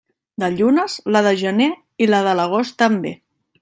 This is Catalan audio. De llunes, la del gener i la de l'agost també.